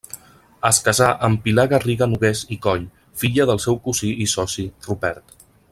Es casà amb Pilar Garriga-Nogués i Coll, filla del seu cosí i soci Rupert.